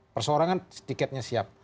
persorangan tiketnya siap